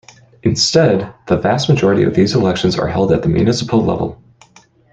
Instead, the vast majority of these elections are held at the municipal level.